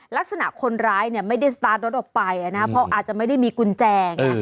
ลักษณะคนร้ายเนี่ยไม่ได้สตาร์ทรถออกไปนะเพราะอาจจะไม่ได้มีกุญแจไง